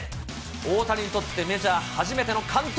大谷にとってメジャー初めての完投。